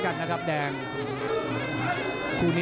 และไม่มีทางลื่น